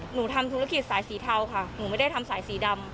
หนูทำธุรกิจสายสีเทาค่ะหนูไม่ได้ทำสายสีดำ